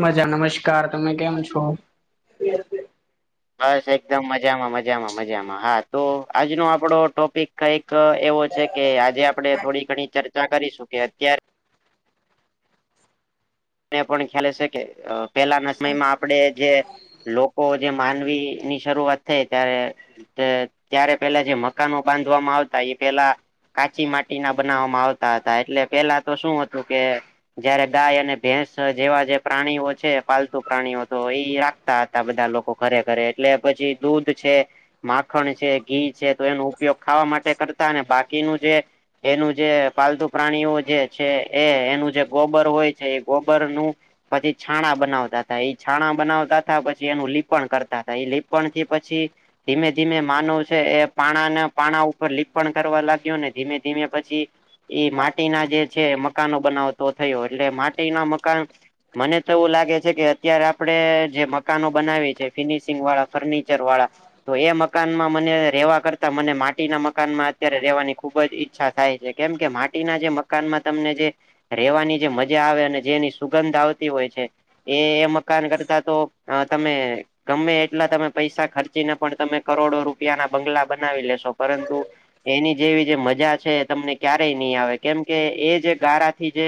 મજા નમસ્કાર તમે કેમ છો? બસ એકદમ મજામાં મજામાં મજામાં હા તો આજનો આપડો ટોપિક કઈક એવો છે કે આજે આપણે થોડી ઘણી ચર્ચા કરીશું કે અત્યાર ને પણ ખ્યાલે છે કે અ પેલા ના સમય માં આપડે જે લોકો જે માનવી ની શરૂઆત થઈ ત્યારે કે ત્યારે પેલા જે મકાનો બાંધવામાં આવતા એ પેલા કાચી માટી ના બનાવવામાં આવતા હતા એટલે પેલા તો શું હતું કે જયારે ગાય અને ભેંસ જેવા જે પ્રાણીઓ છે પાલતુ પ્રાણીઓ તો એઈ રાખતા હતા બધા લોકો. ખરેખરે એટલે પછી દૂધ છે માખણ છે ઘી છે તો એનો ઉપયોગ ખાવા માટે કરતા બાકીનું જે એનું જે પાલતુ પ્રાણીઓ જે છે એ એનું જે ગોબર હોય છે ગોબરનું પછી છાણા બનાવતા થા એ છાણા બનાવતા થા પછી એનું લીપણ કરતા હતાા એ લીપણ થી પછી ધીમે ધીમે માનવ છે એ પાણાના પાણા ઉપર લીપણ કરવા લાગ્યો ને ધીમે ધીમે પછી એ માટીના જે છે મકાનો બનાવતો થયો એટલે માટીના મકાન મને તો એવું લાગે છે કે અત્યારે આપડે જે મકાનો બનાવી છે ફિનિશિંગ વાળા ફર્નિચર વાળા તો એ મકાનમાં મને રેવા કરતા મને માટીના મકાનમાં અત્યારે રેવાની ખુબ જ ઈ ચ્છા થાય છે કેમ કે માટીના જે મકાનમાં તમને જે રેવાની જે મજા આવેન કે જેની સુગંધ આવતી હોય છે એ એ મકાન કરતા તો અ તમે ગમે એટલા તમે પૈસા ખર્ચીને પણ તમે કરોડો રૂપિયાના બંગલા બનાવી લેશો પરંતુ એની જેવી જે મજા છે એ તમને ક્યારેય નહી આવે કેમ કે એ જ ગારાથી જે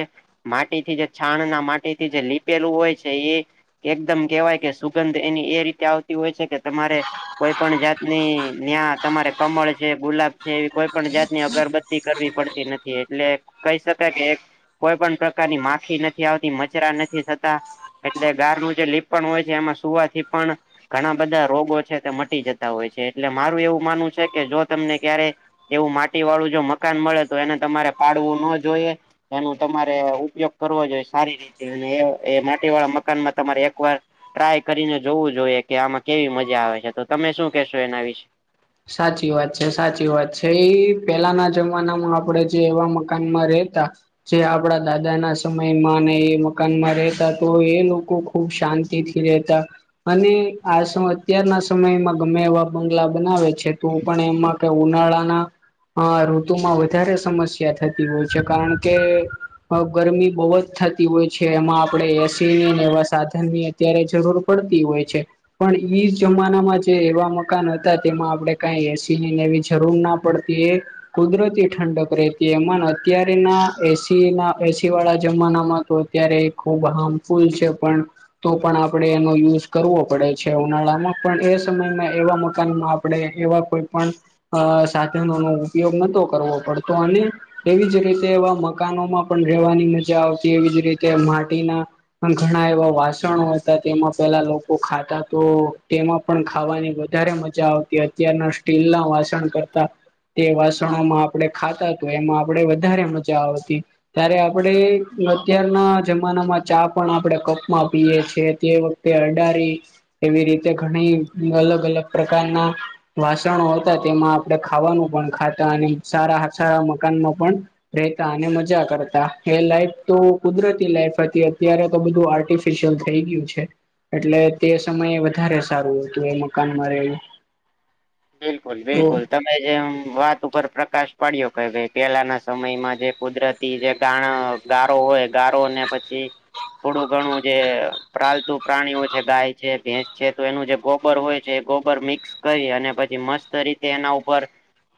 માટીથી જે છાણ ના માટી થી જે લીપેલું હોય છે એ એકદમ કેવાય કે સુગંધ એની એ રીતે આવતી હોય છે કે તમારે કોઈ પણ જાતની ન્યા તમારે કમળ છે ગુલાબ છે એવી કોઈ પણ જાતની અગરબ ત્તિ કરવી પડતી નથી એટલે કહી શકાય કે કોઈ પણ પ્રકારની મા ખી નથી આવતી મચરા નથી થતા એટલે ગારનું જે લીપણ હોય છે એમાં સુવાથી પણ ઘણા બધા રોગો છે તે મટી જતા હોય છે એટલે મારું એવું માનવું છે કે જો તમને ક્યારે એવું માટી વાળું જો મકાન મળે તો એને તમારે પાડવું નો જોઈએ. એનું તમારે અ ઉપયોગ કરવો જોઈએ સારી રીતે અને એ એ માટી વાળા મકાનમાં તમારે એક વાર ટ્રાય કરીને જોવું જોઈએ કે આમાં કેવી મજા આવે છે તો તમે શું કેશો એના વિશે. સાચી વાત છે સાચી વાત છે એ પેલાના જમાનામાં આપણેે જે એવા મકાનમાં રેતા જે આપડા દાદા ના સમયમાં અને એ મકાનમાં રહેતા તો એ લોકો ખૂબ શાંતિથી રેહતા અને આળસુ અત્યારના સમયમાં ગમે એવા બંગલા બનાવે છે તો પણ એમાં તો ઉનાળાના હ ઋતુમાં વધારે સમસ્યા થતી હોય છે કારણ કે અ ગરમી બહુ જ થત તી હોય છે એમાં આપણે એસી ની ને એવા સાધન ની અત્યારે જરૂર પડતી હોય છે. પણ ઈ જમાનામાં જે એવા મકાન હતા તેમાં આપણેે કઈ એસી ન એવી જરૂર ના પડતી એ કુદરતી ઠંડક રહેતી એમાંન અત્યારના એસી ના એસી વાળા જમાનામાં તો અત્યારે ખૂબ હાર્મફુલ છે પણ તો પણ આપણેે એનો યુઝ કરવો પડે છે ઉનાળામાં પણ એ સમયમાં એવા મકાનમાં આપણેે એવા કોઈ પણ અ સાધનો નો ઉપયોગ નતો કરવો પડતો અને એવી જ રીતે એવા મકાનોમાં પણ રહેવાની મજા આવતી એવી જ રીતે માટીના અન ઘણા એવા વાસણો હતા તેમાં પેલા લોકો ખાતા તો તેમાં પણ ખાવાની વધારે મજા આવતી અત્યારના સ્ટીલ ના વાસણ કરતા તે વાસણોમાં આપડે ખાતા તો એમાં આપણેે વધારે મજા આવતી ત્યારે આપણેે અત્યારના જમાનામાં ચા પણ આપણે કપમાં પીએ છે તે વ તે અડારી એવી રીતે ઘણી અલગ અલગ પ્રકારના વાસણો હતા તેમાં આપણે ખાવાનું પણ ખાતા અને સારા સારા મકાનમાં પણ રહેતા અને મજા કરતા એ લાઈફ તો કુદરતી લાઈફ હતી અત્યારે તો બધું આર્ટ ફિશિયલ થઈ ગયું છે એટલે તે સમયે વધારે સારું હતું એ મકાનમાં રહેવું. બિલકુલ તો બિલકુલ ત કે જેમ વાત ઉપર પ્રકાશ પાડ્યો કે ભાઈ પેલાના સમયમાં જે કુદરત બીજે ગાણ ગારો હોય ગારો અને પછી થોડું ઘણું જે પ્રાલતુ પ્રાણીઓ છે ગાય છે ભેંસ છે તો એનું જે ગો ગોબર હોય છે ગોબર મિક્સ કરી અને પછી મસ્ત રીતે એના ઉપર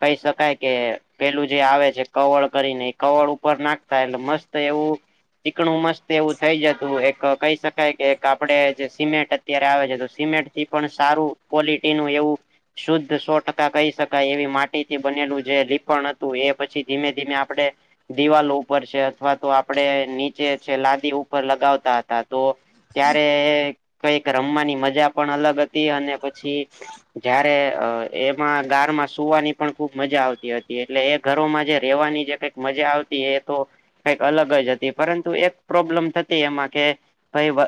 કહી શકાય કે પેલું જે આવે છે કવળ કરીને એ કવળ ઉપર નાખતા એટલે મસ્ત એવું ચીકણું મસ્ત એવું થઈ જતું એક કહી શકાય કે એક આપડે જે સિમેન્ટ અત્યારે આવે છે તો સિમેન્ટ થી પણ સારું ક્વોલિટી નું એવું શુદ્ધ સો ટકા કહી શકાય એવી માટીથી બનેલું જે લીપણ હતું એ પછી ધીમે ધીમે આપડે દિવાલો ઉપર છે અથવા તો આપડે નીચે છે લાદી ઉપર લગાવતા હતા તો ત્યારે કઈક રમવાની મજા પણ અલગ હતી અને પછી જ્યાં એમાં ગાર માં સુવાની પણ ખુબ મજા આવતી હતી એટલે એ ઘરોમાં જે રહેેવાની જે કઈ મજા આવતી એ તો કઈક અલગ જ હતી પરંતુ એક પ્રોબ્લમ થતી એમાં કે ભાઈ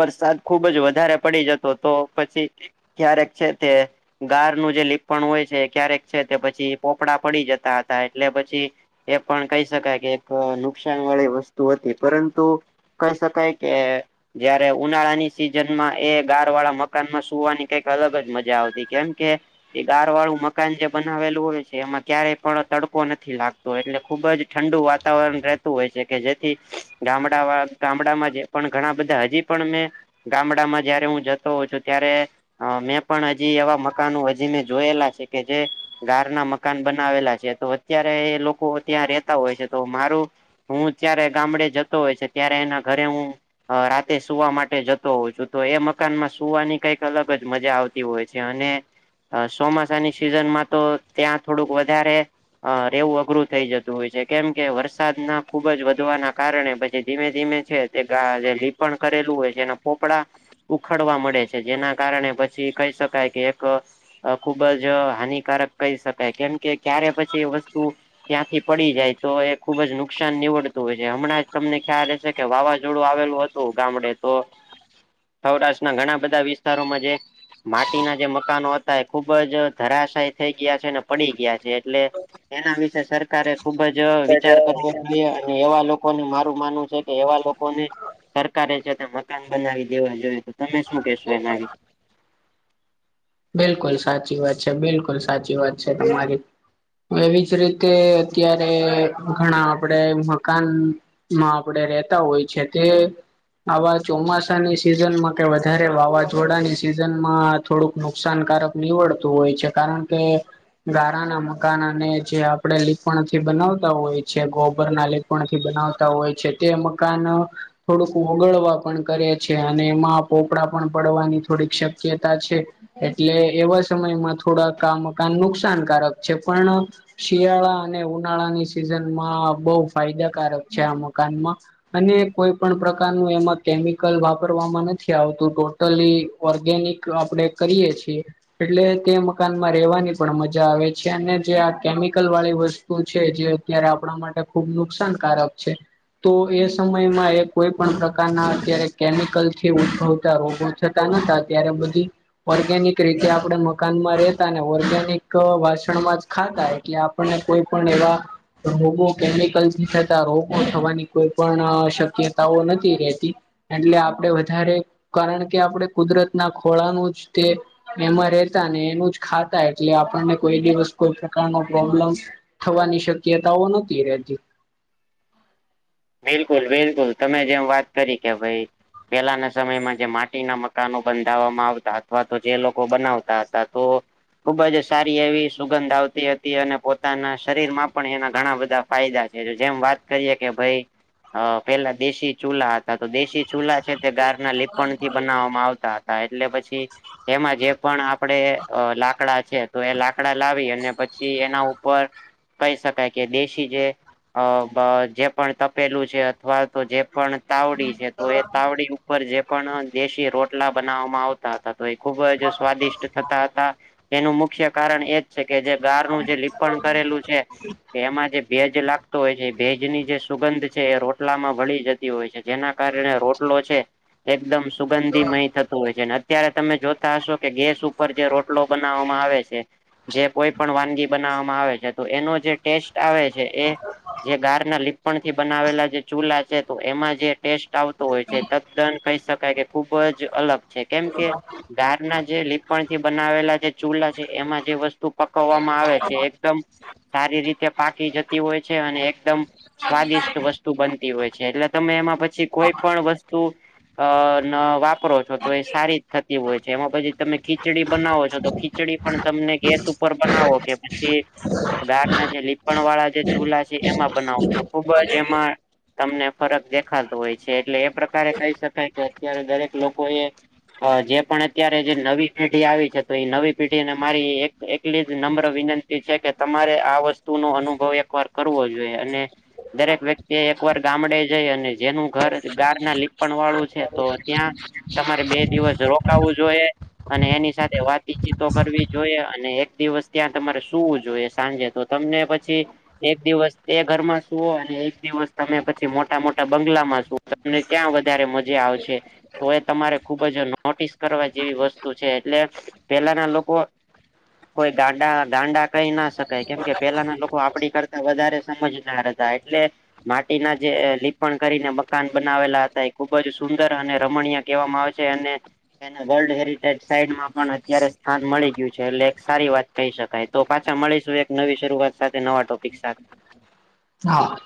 વરસાદ ખુબ જ વધારે પડી જતો તો પછી ક્યારેક છે તે ગારનુંું જે લીપણ હોય છે ક્યારેક છે તે પછી પોપડા પડી જતા હતા એટલે પછી એ પણ કહી શકાય કે એક નુકસાન વાળી વસ્તુ હતી પરંતુ કહી શકાય કે જયારે ઉનાળા ની સિઝન માં એ ગાર વાળા મકાનમાં સુવાની કઈક અલગ જ મજા આવતી કેમકે એ ગાર વાળું મકાન જે બનાવેલું હોય છે એમાં ક્યારેય પણ તડકો નથી લાગતો તો એટલે ખુબ જ ઠંડુ વાતાવરણ રહેતું હોય છે કે જેથી ગામડા ગામડામાં જે પણ ઘણા બધા હજી પણ મેં ગામડામાં જયારે હું જતો હોઉ છું ત્યારે મેં પણ હજી એવા મકાનો હજી મે જોયેલા છે કે જે ગાર ના મકાન બનાવેલા છે તો અત્યારે એ લોકો ત્યાં રેતા હોય છે તો મારું હું અ્યારે ગામડે જતો હોય છે ત્યારે એના ઘરે હું અ રાતે સુવા માટે જતો હોઉં છું તો એ મકાન માં સુવાની કઈક અલગ જ મજા આવતી હોય છે અને ચોમાસાની સિઝનમાં તો ત્યાં થોડુંક વધારે અ રહેવું અઘરું થઇ જતું હોય છે કેમ કે વરસાદ ના ખુબ જ વધવાના કારણે પછી ધીમે ધીમે છે જે લીપણ કરેલું હોય છે એના પોપડા ઉખાડવા મળે છે જેના કારણે પછી કહી શકાય કે એક અ ખુબ જ હાનિકારક કહી શકાય કેમ કે ક્યારે પછી વસ્તુ ત્યાંથી પડી જાય તો એ ખુબ જ નુકસાન નીવડતું હોય છે હમણાં જ તમને ખ્યાલ હશે કે વાવાઝોડું આવેલું હતું ગામડે તો હ સૌરાષ્ટ્રના ઘણા બધા વિસ્તારોમાં જે પાટી ના જે મકાનો હતા એ ખુબ જ ધરાશાયી થઈ ગયા છે અને પડી ગયા છે એટલે એના વિશે સરકારે ખુબ જ વિચાર કરવો જોઈએ અને એવા લોકો લોકોને મારું માનવું છે કે એવા લોકોને સરકારે છે ત મકાન બનાવી દેવા જોઈએ તો તમે શું કેશો એના આવી? બિલકુલ સાચી વાત છે બિલકુલ સાચી વાત છે તમારી એવી જ રીતે અત્યારે ઘણા આપડે મકાન માં આપણેે રતા હોય છે તે આવા ચોમાસાની સિઝનમાં કે વધારે વાવાઝોડાની સિઝન માં થોડુંક નુકસાનકારક નીવડતું હોય છે કારણ કે ગારા ના મકાન અને જે આપણે લીપણથી બનાવતા હોય છે ગોબર ના લ થી બનાવતા હોય છે તે મકાન થોડુંક ઓગળવા પણ કરે છે અને એમાં પોપડા પણ પડવાની થોડીક શક્યતા છે. એટલે એવા સમયમાં થોડા ક મકાન નુકસાનકારક છે પણ શિયાળા અને ઉનાળાની સિઝનમાં બહુ ફાયદાકારક છે આ મકાનમાં અને કોઈ પણ પ્રકારનું એમાં કેમિકલ વાપરવામાં નથી આવતું ટો ટલી ઓર્ગેનિક આપણેે કરીયએ છીએ એટલે તે મકાનમાં રહેેવાની પણ મજા આવે છે અને જે આ કેમિકલ વાળી વસ્ તું છે જે અત્યારે આપણા માટે ખુબ નુકસાનકારક છે. તો એ સમયમાં એ કોઈ પણ પ્રકારના અત્યારે કેમિકલથી ઉદભવતા રોગો થતા નતા ત્યારે બધી ઓર્ગેનિક રીતે આપણે મકાનમાં રેતા ઓર્ગેનિક વાસણમાં જ ખાતા એટલે આ પણ ને કોઈ પણ એવા રોગો કેમિકલથી થતા રોગો થવાની કોઈ પણ શક્યતાઓ નથી રેતી એટલે આપણેે વધારે કારણ કે આપણે કુદરતના ખોળાનું જ તે એમાં રેતા ને એનું જ ખાતા એટલે આપણને કોઈ દિવસ કોઈ પ્રકાર ન પ્રોબ્લમ થવાની શક્યતાઓ નહતી રહેતી બિલકુલ બિલકુલ તમે જેમ વાત કરી કે ભાઈ પેલાના સમયમાં જે માટીના મકાનો બંધાવવામાં આવતા અથવા તો જે લોકો બનાવતા હતા તો ખુબ જ સારી એવી સુગંધ આવતી હતી અને પોતાના શરીર માં પણ એના ઘણા બધા ફાયદા છે જેમ વાત કરીએ કે ભાઈ અ પેલા દેશી ચૂલા હતા તો દેશી ચૂલા છે તે ગાર ના લીપણ થી બનાવવામાં આવતા હતા હા એટલે પછી એમાં જે પણ આપણેે લાકડા છે તો એ લાકડા લાવી અને પછી એના ઉપર કહી શકાય કે દેશી જે જે પણ ત પેલું છે અથવા તો જે પણ તાવડી છે તો એ તાવડી ઉપર જે પણ દેશી રોટલા બનાવવામાં આવ તા તા તો એ ખુબ જ સ્વાદિષ્ટ થતા હતા એનું મુખ્ય કારણ એ છે કે જે ગાર નું જે લીપણ કરેલું છે કે એમાં જે ભેજ લાગતો હોય છે ભેજ ની જે સુગંધ છે એ રોટલામાં ભળી જતી હોય છે જેના કારણે રોટલો છે એકદમ સુગંધી મહી થતું હોય છે, ને અત ત્યારે તમે જોતા હશો કે ગેસ ઉપર જે રોટલો બનાવવામાં આવે છે જે કોઈ પણ વાનગી બનાવવામાં આવે છે તો એનો જે ટેસ્ટ આવે છે એ જે ગાર ના લીપણથી બનાવેલા જે ચૂલા છે તો એમાં જે ટેસ્ટ આવતો હોય છે તદ્દન કહી શકાય કે ખૂબ જ અલગ છે કેમ કે ઘારના જે લીપણથી બનાવેલા જે ચૂલા છે એમાં જે વસ્તુ પકવવામાં આવે છે એકદમ સારી રીતે પાકી જતી હોય છે અને એકદમ સ્વાદિષ્ટ બનતી હોય છે એટલે તમે એમાં પછી કોઈ પણ વસ્તુ અ ન વાપ પરો છો તો એ સારી થતી હોય છે એમાં પછી તમે ખીચડી બનાવો છો તો ખીચડી પણ તમને ગેસ ઉપ પર બનાવો કે પછી ગારના જે લીપણ વાળા જે ચૂલા છે એમાં બનાવો તો ખુબ જ એમાં તમને ફરક દેખાતો હોય છે એટલે એ પ્રકારે કહી શકાય કે અત્યારે દરેક લોકો એ જે પણ અત્યારે જે નવી પેઢી આવી છે તો એ નવી પેઢી ને મારી એક એટલી જ નમ્ર વિનંતી છે કે તમારે આ વસ્તુ નો અનુભવ એક વાર કરવો જોઈએ અને દરેક વ્યક્તિ એકવાર ગામડે જઈ અને જેનું ઘર ગાર ના લીપણ વાળું છે તો ત્યાં તમારે બે દિવસ રોકાવવું જોઈએ અને એની સાથે વાતચીતો કરવી જોઈએ અને એક દિવસ ત્યાં તમારે સુવું જોઈએ સાંજે તો તમને પછી એક દિવસ એ ઘરમાં શુ અને એક દિવસ તમે પછી મોટા મોટા બંગલામાં છુ તમને ત્યાં વધારે મજા આવશે તો એ તમારે ખુબ જ નોટિસ કરવા જેવી વસ્તુ છે એટલે પેલાના લોકો કોઈ ગાંડા ગાંડા કહી ના શકાય કેમ કે પેલાના લોકો આપડી કરતા વધારે સમજનાર એટલે માટીના જે લીપણ કરીને મકાન બનાવેલા હતા એ ખુબ જ સુંદર અને રમણીય કહેવામાં આવે છે અને એને વર્લ્ડ હેરિટેજ સાઈટમાં પણ અત્યારે સ્થાન મળી ગયું છે એટલે એક સારી વાત કહી શકાય તો પાછા મળીશું એક નવી શરૂઆત સાથે નવા ટોપિક હા